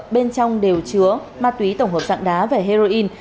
bên trong đều chứa ma túy tổng hợp dạng đá và heroin